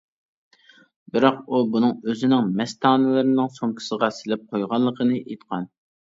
بىراق ئۇ بۇنىڭ ئۆزىنىڭ مەستانىلىرىنىڭ سومكىسىغا سېلىپ قويغانلىقىنى ئېيتقان.